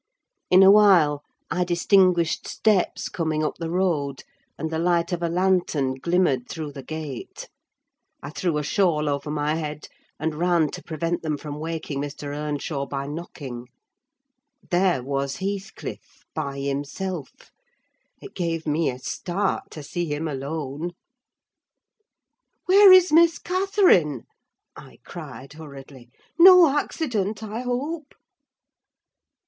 In a while, I distinguished steps coming up the road, and the light of a lantern glimmered through the gate. I threw a shawl over my head and ran to prevent them from waking Mr. Earnshaw by knocking. There was Heathcliff, by himself: it gave me a start to see him alone. "Where is Miss Catherine?" I cried hurriedly. "No accident, I hope?"